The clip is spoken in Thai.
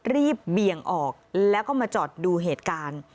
เบี่ยงออกแล้วก็มาจอดดูเหตุการณ์